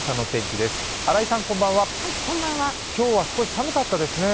今日は少し寒かったですね。